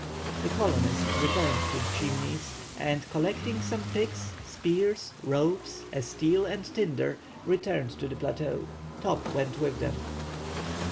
The colonists returned to the Chimneys, and collecting some picks, spears, ropes, a steel and tinder, returned to the plateau. Top went with them.